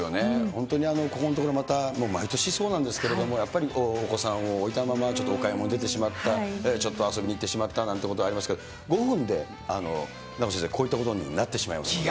本当にここのところ、毎年そうなんですけれども、やっぱりお子さんを置いたまま、ちょっとお買い物出てしまった、ちょっと遊びに行ってしまったなんてことありますけれども、５分で名越先生、こういったことになってしまいますから。